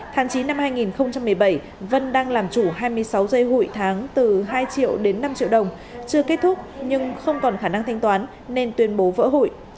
tháng chín năm hai nghìn một mươi bảy vân đang làm chủ hai mươi sáu dây hụi tháng từ hai triệu đến năm triệu đồng chưa kết thúc nhưng không còn khả năng thanh toán nên tuyên bố vỡ hủy